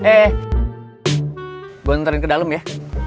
eh gue ntarin ke dalem ya